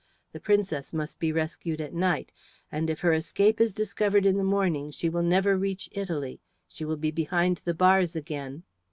The Princess must be rescued at night; and if her escape is discovered in the morning she will never reach Italy, she will be behind the bars again."